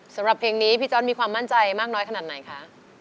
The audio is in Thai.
สำหรับเพลงนี้พี่จ๊อตมีความมั่นใจมากน้อยขนาดไหนคะ